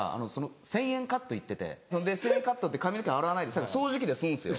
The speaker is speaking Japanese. １０００円カット行ってて１０００円カットって髪の毛洗わないで掃除機で吸うんですよ。